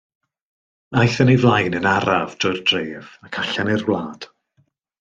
Aeth yn ei flaen yn araf drwy'r dref, ac allan i'r wlad.